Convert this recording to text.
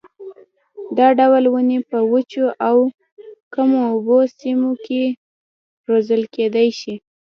دا ډول ونې په وچو او کمو اوبو سیمو کې روزل کېدلای شي.